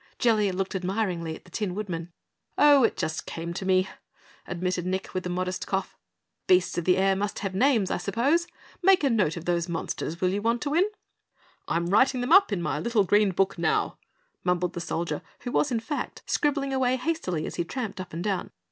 Jellia looked admiringly at the Tin Woodman. "Oh, it just came to me," admitted Nick, with a modest cough. "Beasts of the air must have names, I suppose. Make a note of those monsters, will you Wantowin?" "I'm writing them up in my little green book now," mumbled the Soldier, who was, in fact, scribbling away hastily as he tramped up and down.